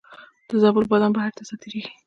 د زابل بادام بهر ته صادریږي.